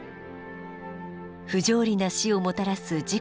不条理な死をもたらす事故や災害。